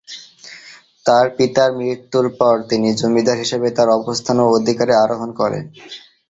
তার পিতার মৃত্যুর পর, তিনি "জমিদার" হিসাবে তার অবস্থান ও অধিকারে আরোহণ করেন।